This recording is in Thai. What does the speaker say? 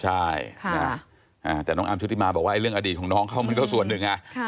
ใช่แต่น้องอาร์มชุติมาบอกว่าเรื่องอดีตของน้องเขามันก็ส่วนหนึ่ง